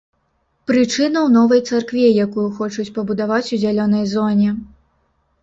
Прычына ў новай царкве, якую хочуць пабудаваць у зялёнай зоне.